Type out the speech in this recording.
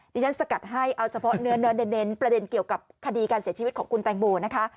ดิฉันสกัดให้เอาเฉพาะเนื้อเน้นประเด็นเกี่ยวกับคดีการเสียชีวิตของคุณแตงโมนะคะ